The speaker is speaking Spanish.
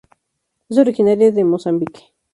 Es originaria de Mozambique.